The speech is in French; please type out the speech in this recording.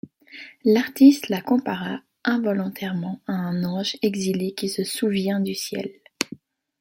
L’artiste la compara involontairement à un ange exilé qui se souvient du ciel.